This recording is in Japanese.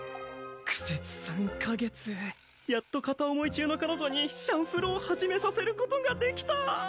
苦節３か月やっと片思い中の彼女に「シャンフロ」を始めさせることができた。